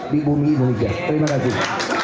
bikun binika terima kasih